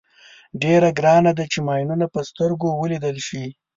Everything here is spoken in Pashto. ډېره ګرانه ده چې ماینونه په سترګو ولیدل شي.